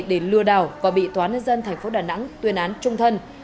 để lừa đảo và bị tòa nân dân tp đà nẵng tuyên án trung thân